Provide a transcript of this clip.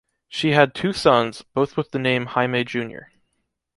She had two sons, both with the name Jaime Jr.